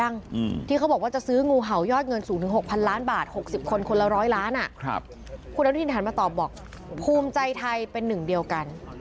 นี่คุณอนุทินนำทีม